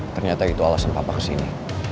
ternyata itu alasan bapak kesini